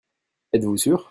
Êtes-vous sûr ?